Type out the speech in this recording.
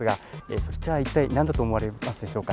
そちらは一体何だと思われますでしょうか？